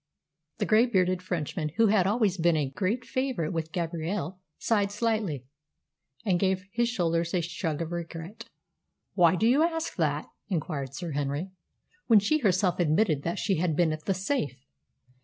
The grey bearded Frenchman, who had always been a great favourite with Gabrielle, sighed slightly, and gave his shoulders a shrug of regret. "Why do you ask that?" inquired Sir Henry, "when she herself admitted that she had been at the safe?"